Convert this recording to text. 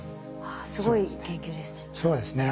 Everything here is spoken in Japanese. すごい研究ですね。